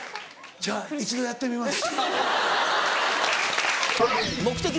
じゃあ一度やってみます。